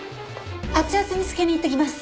熱々見つけに行ってきます。